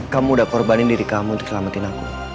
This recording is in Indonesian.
kamu udah korbanin diri kamu untuk selamatin aku